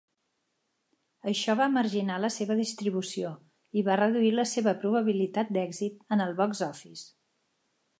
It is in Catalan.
Això va marginar la seva distribució i va reduir la seva probabilitat d'èxit en el Box-Office.